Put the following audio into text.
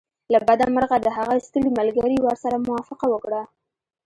له بده مرغه د هغه ستړي ملګري ورسره موافقه وکړه